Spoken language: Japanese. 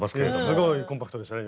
すごいコンパクトでしたね